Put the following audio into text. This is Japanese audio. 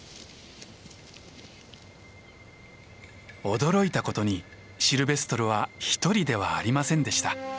驚いたことにシルベストルは独りではありませんでした。